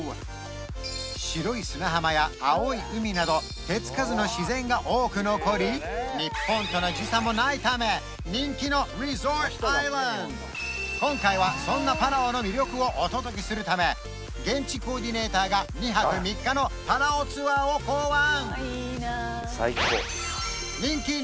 白い砂浜や青い海など手つかずの自然が多く残り日本との時差もないため今回はそんなパラオの魅力をお届けするため現地コーディネーターが２泊３日のパラオツアーを考案！